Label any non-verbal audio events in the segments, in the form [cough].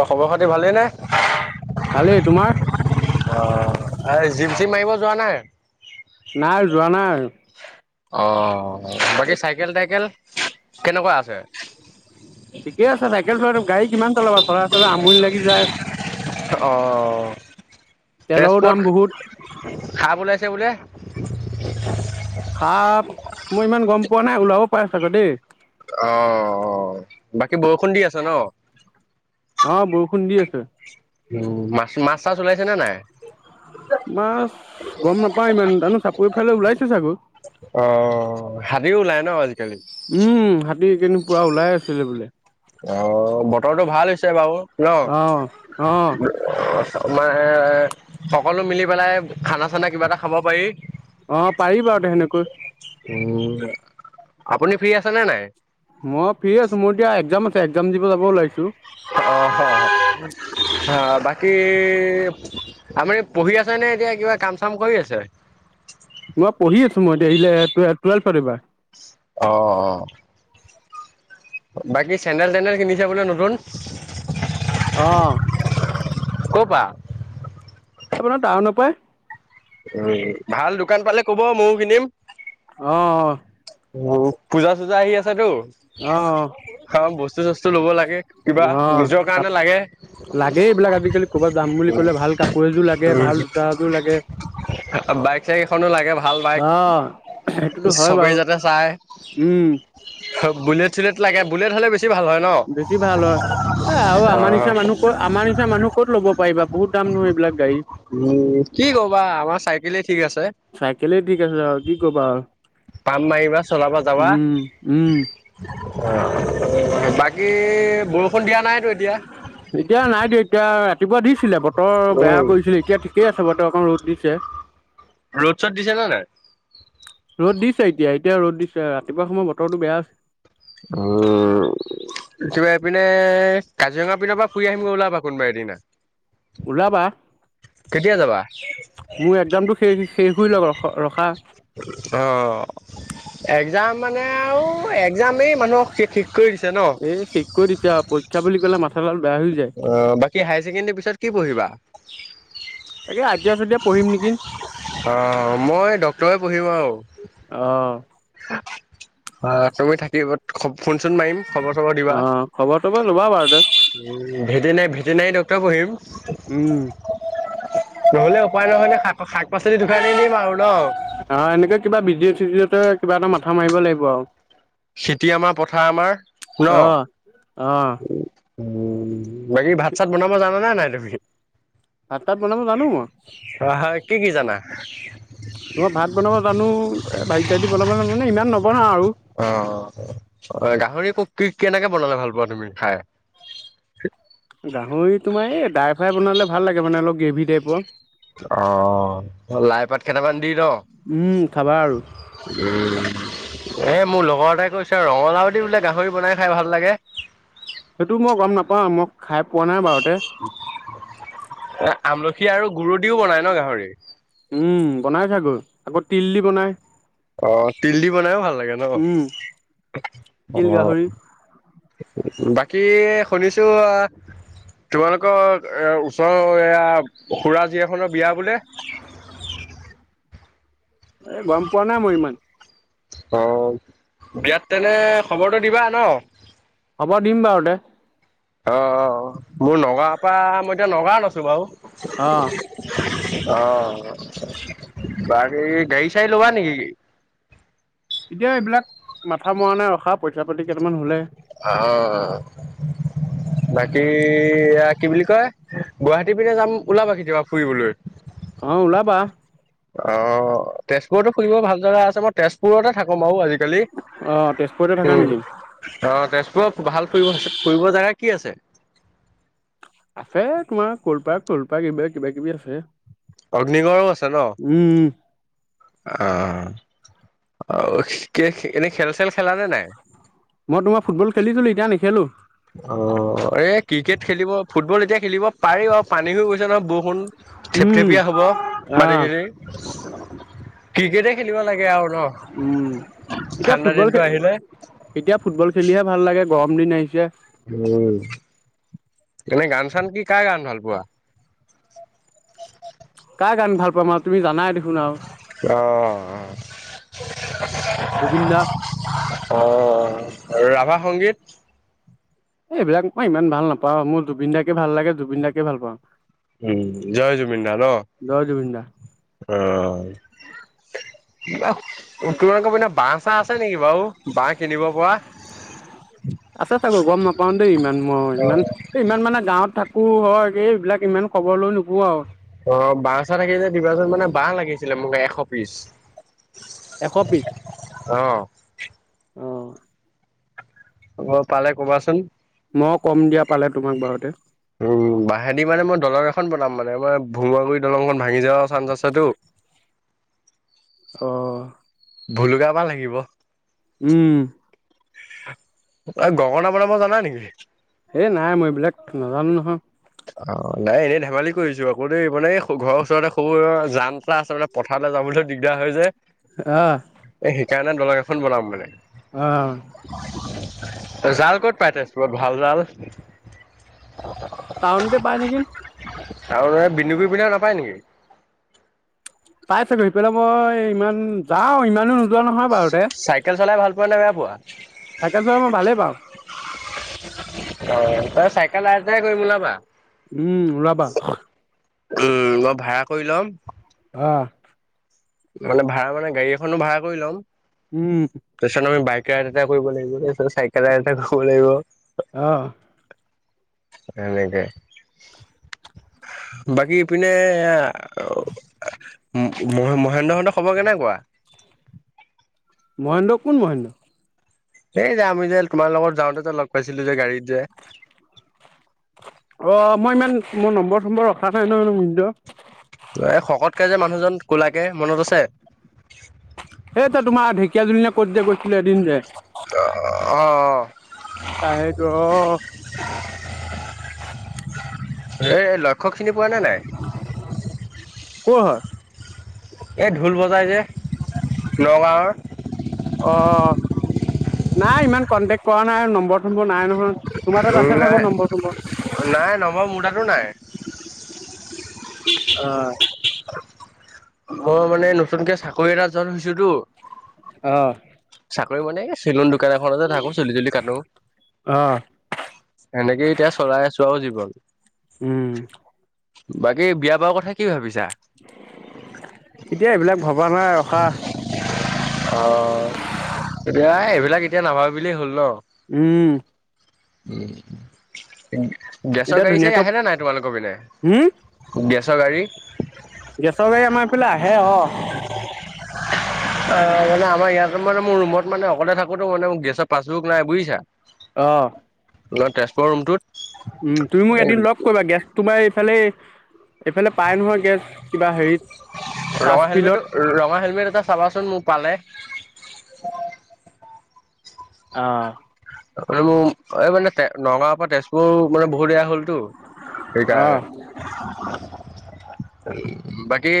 অই খবৰ খাতি ভালেই ন? ভালেই তোমাৰ যোৱা নাই? নাই যোৱা নাই। অ। বাকি চাইকেল তটাইকেল? কেনেকুৱা আছে? ঠিকে আছে তাইাকেল গাড়ী কিমান তলাবা চৰা চল আমুল লাগি যায়। তেলৰো তেজপত দাম বহুত খাপ ওলাইছে বোলে? খাপ মই ইমান গম প পোৱা নাই ওলাব পাৰে আকৌ দেই অ অ বাকী বৰষুণ দি আছে ন? অ বৰষুণ দি আছে। উ মাছ মাছ চাছ ওলাইছে নে নাই? মাছ কাইলৈ ওলাইছোঁ চাগু অঁ হাবিও ওলাই ন আজি উম হাতী অকেদিন পূৰা ওলাই আছিলে বোলে। অঁ বতৰটো ভাল হৈছে বাৰু ন অ অ তোমাৰ সকলো মিলি পেলাই খানা চানা কিবা এটা খাব পাৰি। অঁ পাৰিবা আৰু সেনেকৈ। উ আপুনি ফ্ৰী আছে নে নাই? মই ফ্ৰী আছো। মোৰ এতিয়া একজাম আছে একজাম দিব যাব ওলাইছোঁ। [unintelligible] আ, বাকী আপোনি পঢ়ি আছেনে এতিয়া? কিবা কাম চাম কৰি আছে? মই পঢ়ি আছো, মই এতিয়া টুৱে-টুৱেলভ এইবাৰ। অ'। বাকী চেন্দেল টেন্দেল কিনিছে বোলে নতুন? অ'। কৰ পৰা? আপোনাৰ টাউনৰ পাই। উম, ভাল দোকান পালে ক'ব ময়ো কিনিম। অ', অ'। উম, পূজা চূজা আহি আছেতো। অ অ খাম, বস্তু চস্তু ল'ব লাগে, কিবা অ', নিজৰ কাপ কাৰণে লাগে। লাগে এইবিলাক আজিকালি ক'ৰবাত যাম বুলি কলে। ভাল কাপোৰ এযোৰ লাগে ভাল জোতা এযোৰ লাগে। বাইক চাইক এখনো লাগে, ভাল বাইক অ', সেইটোতো হয় চবেই বাৰু যাতে চাই। উম, বুলেট চুলেট লাগে। বুলেট হ'লে বেছি ভাল হয় ন? বেছি ভাল হয়। এ, আৰু অ আমাৰ নিচিনা মানুহ ক'ত আমাৰ নিচিনা মানুহ ক'ত ল'ব পাৰিবা। বহুত দাম নহয় এইবিলাক গাড়ী। উম কি ক'বা আমাৰ চাইকেলে ঠি চাইকেলে ঠিক আছে আৰু কি কবা আৰু। পাম মাৰিবা চলাব যাৱা, উম, উম। অ'। [unintelligible] বাকী বৰষুণ দিয়া নাইতো এতিয়া? এতিয়া নাই দিয়া এতিয়া ৰাতিপুৱা দিছিলে বতৰ বেয়া উম। কৰিছিলে। এতিয়া ঠিকেই আছে। বতৰ অকণ ৰ'দ দিছে। তে ৰ'দ শ'ত দিছেনে নাই? ৰ'দ দিছে এতিয়া। এতিয়া ৰ'দ দিছে। ৰাতিপুৱা সময় বতৰটো বেয়া আছলি। উম, কিবা এইপিনে কাজিৰঙা পিনৰ পৰা ফুৰি আহিমগৈ ওলাবা কোনবা এদিনা। ওলাবা, কেতিয়া যাবা? মোৰ একজামতো শেষ হোবা লৈ ৰখা। তাৰ মানে আৰু এক জামেই মানুহক সেক-সেক কৰি দিছে ন। এই শেষ কৰি দিছে আৰু [unintelligible] হৈ যায় অ'। বাকী হাইছেকেণ্ডেৰী পিছত কি পঢ়িবা? [unintelligible] পঢ়িম নেকি। ক্টৰে পঢ়িব আও। অ' অ', তুমি থাকিব সব, ফোন-চোন মাৰিম। খবৰ চবৰ দিবা। অ', খবৰ-চবৰ ল'বা বাৰু দে। ভেটেনেৰী ডক্টৰ পঢ়িম। ন'হলে উপায় ন'হলে শাক-পাচলি দোকান দি দিম আৰু ন! নৰ কিবা এটা মাথা মাৰিব লাগিব আৰু। খেতি আমাৰ পথাৰ আমাৰ ন অ' অ'। উম। বাকী ভাত চাত বনাব জান নে নাই? তমি? ভাত পাত বনাব জানো মই। আহ কি কি জানা? মই ভাত বনাব জানো, এ ভাজি চাজি বনাব জানো মানে ইমান নবনাও আৰু। অ গাহৰি ক কি কেনেকে বনালে ভাল ভালপোৱা তুমি খাই? গাহৰি তোমাৰ এই ড্ৰাই ফ্ৰাই বনালে ভাল লাগে, মানে অলপ গ্ৰেভি টাইপৰ। অ' লাই পাত কেইটামান দি ন? উম খাবা আৰু উম এ মোৰ লগৰ এটাই কৈছে ৰঙালাউ দি বোলে গাহৰি বনাই খাই ভাল লাগে? সেইটো মই গম নাপাওঁ মই খাই পোৱা নাই বাৰু। এ আমলখি আৰু গুুৰ দিও বনাই ন গাহৰি? উম বনাই চাগৈ, আকৌ তিল দি বনাই। অ' তিল দি বনাইও ভাল লাগে ন উম তিল অ' গাহৰি বাকী শুনিছো, তোমালোকৰ এ ওচৰৰ এয়া খুৰা জীয়াখনৰ বিয়া বোলে? এ, গম পোৱা নাই মই ইমান। অ, বিয়াত তেনে খবৰটো দিবা ন? খবৰ দিম বাৰু দে। অহ, মোৰ নগাঁৱৰ পৰা, মই এতিয়া নগাঁৱত আছোঁ বাৰু আহ'। অহ '। বাৰু এই গাড়ী চাড়ী ল'বা নেকি? এতিয়া এইবিলাক মাথা মৰা নাই ৰখা পইচা পাতি কেইটামান হ'লে অ, বাকী এয়া কি বুলি কয় গুৱাহাটী পিনে যাম উলাবা কেতিয়াবা ফুৰিবলৈ। অ, ওলাবা। অ, তেজপুৰতো ফুলিব ভাল জেগা আছে মই তেজপুৰতে থাকোম বাৰু আজি কালি অ তেজপুৰতে থাকা উম, নেকি অ, তেজ ভাল ফুৰিব হৈছে ফুৰিব জাগা কি আছে? সেই তোমাৰ কৰপা কৰপা এইবিলাক কিবা কিবি আছে। অগ্নিগড়ো আছে ন [inaudible] উম অ ক [unintelligible] মই তোমাৰ ফুটবল খেলিছিলো এতিয়া নেখেলো [inaudible] অ এই ক্ৰিকেট খেলিব ফুটবল এতিয়া খেলিব পাৰি আৰু পানী হৈ গৈছে নহয় বৰষুণ [inaudible] উম থেপথেপিয়া হ'ব আহ মাটিখিনি [inaudible] ক্ৰিকেটে খেলিব লাগে আৰু ন? উম এতিয়া ঠাণ্ডা ফুটবল দিনটো খে আহিলে এতিয়া ফুটবল খেলিহে ভাল লাগে। গৰম দিন আহিছে [inaudible] উম এনে গান চান কি কাৰ গান ভাল পোৱা [inaudible] কাৰ গান ভাল পাম আৰু তুমি জানাই দে অহ [inaudible] হয় জুবিন দা [unintelligible] [inaudible] অ আৰু ৰাভা সংগীত এইবিলাক মই ইমান ভাল নাপাও মোৰ জুবিন দাকে ভাল লাগে জুবিন দাকে ভাল পাওঁ [inaudible] উম জয় জুবিন দা ন জয় জুবিন দা অহ [inaudible] কিবা সোঁতোৰা কবি না পৰা আছে চাকো গম নাপাও দেই ইমান মই ইমান ইমান মানে গাঁৱত থাকো কো হয়গ এইবিলাক ইমান খবৰ লৈ নোপোৱা আৰু অ বাঁহ চাহ থাকি যে দিবাচোন মানে বাহ লাগিছিলে মোক এশ পিচ। এশ পিছ অ উম। অ পালে কবাচোন। মই কম দিয়া পালে তোমাক বাৰুতে উম বাঁহেদি মানে মই দলং এখন বনাম মানে মই ভোমুৱ কৰি দলংখন ভাঙি যোৱা চান্স আছেতো। অ। ভোলুগা বাহ লাগিব। উম। তই গগনা বনাব জানা নেকি? এ নাই মই এইবিলাক মই নাজানো নহয়। অ নাই এনেই ধেমালি কৰিছো আকৌ দেই মানে ঘৰৰ ওচৰতে সৰু জান তা আছোনে পথাৰলৈ যাবলৈ দিগদাৰ হৈ যে অহ [inaudible] কাণে দলং এখন বনাম মানে [inaudible] জাল ক'ত পাইতে তেজপুৰত ভালজাল [inaudible] টাওনতে পায়নে কি [inaudible] আৰু বিন্দুবি পিনে নাপায় নেকি [inaudible] পাই চাগৈ সেইফালে মই ইমান যাওঁ ইমানো [inaudible] বাৰুতে [unintelligible] চাইকেল চলাই ভাল পোৱা নে বেয়া পোৱা চাইকেল চলাই মই ভালেই পাওঁ তাই চাই [unintelligible] কৰিম ওলাবা? উম ওলাবা। উম মই ভাড়া কৰি ল'ম! অ। মানে ভাড়া মানে গাড়ী এখনো ভাড়া কৰি ল'ম। উম তাছত আমি বাইক [unintelligible] এটা কৰিব লাগিব তাৰিছত চাইকেলাৰ এটা কৰিব লাগিব। আহ। শেনেকে বাকীপিনে মই সন্দ হঁতৰ খবৰ কেনেকুৱা? মহেন্দ্ৰ কোন মহেন্দ্ৰ? এই যে আমি যে তোমাৰ লগত যাওঁতে যে লগ পাইছিলো যে গাড়ীত যে। অ মই ইমান মোৰ নম্বৰ চম্বৰ ৰখা নাই নহয়। এই শকতকে যে মানুহজন কোলাকে মনত আছে? প [unintelligible] দিন যে? অঁ অ। চাহটো অ। এ ল লক্ষ্যক চিনি পোৱা নে নাই? ক'ৰ হয় এইটো ঢোল বজাই যে নগাঁৱৰ! অ' নাই ইমান কন্টেক্ট কৰা নাই আৰু নম্বৰ চম্বৰ নাই নহয়। তোমাৰ তাত আছে চাগৈ নাই নম্বৰ চম্বৰ নাই নম্বৰ মোৰ তাতো নাই অ। মই মানে নতুনকে চাকৰি এটা জইন ইচু টো। অ' চাকৰি মানে চিলন দোক এখনতে থাকো চুলি তুলি কাটো অ' সেনেকে এতিয়া চলাই আছো আৰু হয়। উম। বাকী বিয়া বাৰাৰ কথা কি ভাবিছা? এতিয়া এইবিলাক ভবা নাই ৰখা। অ এতিয়া এইবিলাক এতিয়া নাভাবে বিলিয়েই হ'ল ন? উম। [inaudible] গেছৰ এতিয়া গাড়ী চাড়ী ধুনীয়াকৈ আহেনে নাই তোমালোকৰ পিনে। গেছৰ গাড়ী। গেশ গাই আমাৰ পিলা হে অহ ', অহ ', মানে আমাৰ ইয়াত মানে মোৰ ৰুমত মানে অকলে থাকোতো মানে ম গেছৰ পাছবুক নাই বুজিছা? অহ ', অহ ', তেজপুৰৰ ৰুমটোত উম, তুমি মোক এদিন লগ কৰিবা গেছ তোমাৰ এইফালে এইফালে পায় নহয় গেছ কিবা হেৰিত। চাৰ্চ ৰঙা ফিল্ডত হেলমেটটো- ৰঙা হেলমেট এটা চাবাচোন মোক পালে। [inaudible] অহ ', ম মোৰ এই মানে তে নগাওৰ পৰা তেজপুৰ মানে বহুত বেয়া হ'ল টো সেইকাৰণে। অ' বাকী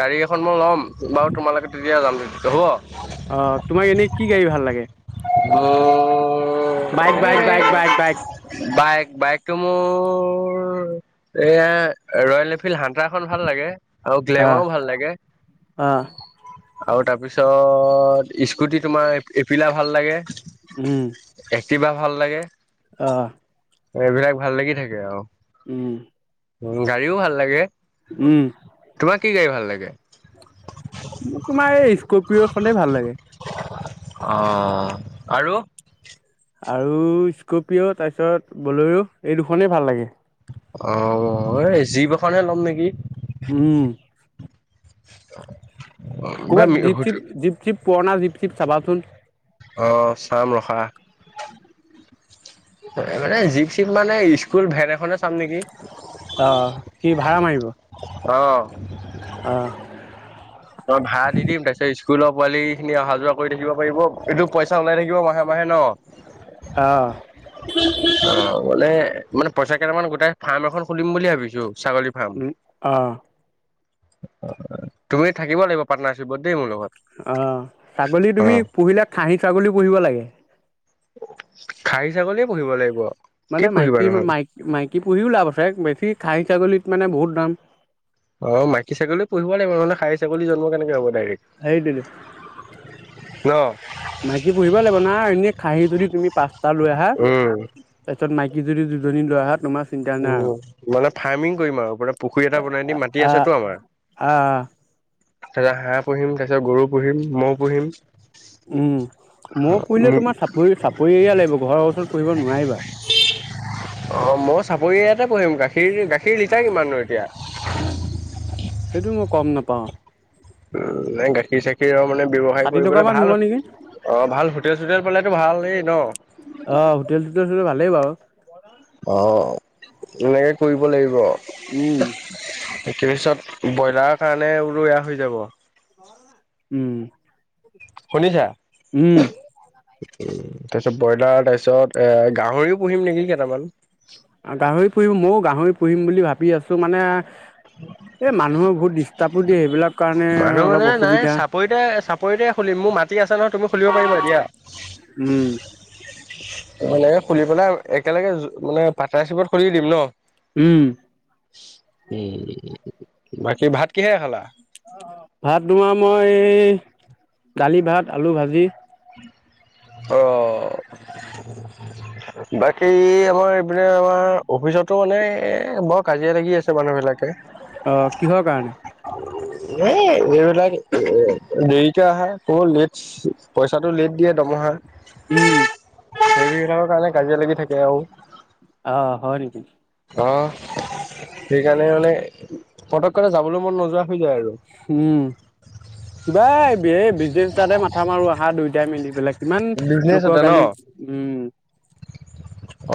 গাড়ী এখন মই লম। বাৰু তোমাল কতি তেতিয়া জ তেতিয়া হ'ব। অহ ', তোমাক এনেই কি গাড়ী ভাল লাগে? বাইক মোৰ - বাইক - এই বাইক - বাইক - বাইক। বাইক টো মোৰ এয়া ৰয়েল এনফিল্ড হাতা খন ভাল লাগে। আৰু আহ গ্লেমাৰও ভাল লাগে। আহ আৰু তাৰপিছত স্কুটি তোমাৰ এপিলা ভাল লাগে। উম তিভা ভাল লাগে। আহ এইবিলাক ভাল লাগি থাকে আৰু। উম উম, গাড়ীও ভাল লাগে। উম, তোমাৰ কি গাড়ী ভাল লাগে মোক তোমাৰ এই স্কপিঅ খনেই ভাল লাগে। অ', আৰু? আৰু স্কপিঅ তাৰপিছত বলেৰ এই দুখনেই ভাল লাগে। অ', এই যিব এখনহে ল'ম নেকি উম, ক'ৰবাত দ্বীপ চিপ, দ্বীপ চিপ পুৰণা জিপ চিপ চাবাচোন। অ', চাম ৰখা মানে জিপ চিপ মানে স্কুল ভেন এখনে চাম নেকি অ', অ', কি ভাড়া মাৰিব অ'। অ মই ভাড়া দি দিম তাৰপিত ইছ স্কুলৰ পোৱালি খিনি অহা যোৱা কৰি থাকিব পাৰিব। এইটো পইচা ওলাই থাকিব মাহে, মাহে ন। আহ পিপ পিপ অ বলে মানে পইচা কেইটামান গোটেই ফাৰ্ম এখন খুলিম বুলি ভাবিছো। ছাগলী ফাৰ্ম উম অহ। তুমি থাকিব লাগিব পাৰ্টনাশ্বিপত। অ, ছাগলী তুমি অ', পুহিলে খাহী ছাগলী পুহিব লাগে। খাহী ছাগলীয়ে পুহিব লাগিব কি মানে পুহিবা মাইকী- নহ'লে মাই -মাইকী পুহিও লাভ আছে। বেছি খাহী ছাগলীত মানে বহুত দাম। অ, মাইকী ছাগলী পুহিব লাগিব। মানে খাহী ছাগলী জন্ম কেনেকে হ'ব? ডাইৰেক্ট সেইটোৱেটো। ন মাইকী পুহিব লাগিব না, এনেই খাহী যদি তুমি পাঁচটা লৈ আহা, উম, তাৰপিছত মাইকী যদি দুজনী লৈ আহা তোমাৰ চিন্তা নাই আৰু উম, মানে ফাৰ্মিং কৰিম আৰু পুখুৰী এটা বনাই দিম, মাটি আহ আছেতো আমাৰ। আহ তাৰপিচত হাঁহ পুহিম, তাৰ পিছত গৰু পুহিম, মৌ পুহিম উম, মৌ পুহিলে তোমাৰ চাপৰি, চাপৰিহে লাগিব, ঘৰৰ ওচৰত পুহিব নোৱাৰিবা। অ', ম [unintelligible] তাতে পঢ়িম। গাখীৰ, গাখীৰ লিটাৰ কিমানো এতিয়া? সেইটোও মই গম নাপাওঁ। নে গাখীৰ, চাখীৰৰ মানে ব্যৱসায় ষাঠি টকা কৰিবলৈ মান হ'ব ভাল, নেকি অ', ভাল হোটেল চোটেল হ'লেতো ভালেই ন? অ', হোটেল, চোটেল হ'লে ভালেই বাৰু। অ' এনেকে কৰিব লাগিব। উম এইতোৰ পিছত ব্ৰইলাৰ কাৰণে বোলো এয়া হৈ যাব। উম শুনিছা উম তাৰপিছ ব্ৰইলাৰ তাৰপিছত এ গাহৰিও পুহিম নেকি কেইটামান। গাহৰি পুহিম ময়ো গাহৰি পুহিম বুলি ভাবি আছো মানে এই মানুহৰ বহুত ডিষ্টাৰ্বো দিয়ে সেইবিলাক কাৰণে মানুহ অলপ মানে নাই অসুবিধা চাপৰিতে-চাপৰিতে খুলিম মোৰ মাটি আছে নহয়, তুমি খুলিব পাৰিবা দিয়া। উম মানে খুুলি পেলাই একেলগে মানে পাটনশ্বিপত খুলি দিম ন। উম। উম, বাকী ভাত কিহেৰে খালা? ভাত তোমাৰ মই দালি ভাত আলু ভাজি। অ' বাকী আমাৰ এইপিনে আমাৰ অফিচতো মানে এ বৰ কাজিয়া লাগি আছে মানুহ বিলাকে। অ' কিহৰ কাৰণে? এ এইবিলাক দেৰিকে আহা কব লেটছ। পইচাটো লেট দিয়ে দমহা। উম [inaudible] কাজিয়া লাগি থাকে আৰু। অ' হয় নেকি? অ' সেইকাৰণে মানে পতক কেনে যাবলৈ মন নোযোৱা হৈ যায় আৰু উম, কিবা এই বিজনেছ তাতে মাথা মাৰো অহা দুই এতিয়া মিলিপেলে কিমান বিজনেছ লোকৰ এটা ন গালি উম।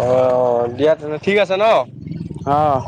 অ' দিয়া তেনে ঠিক আছে ন। অ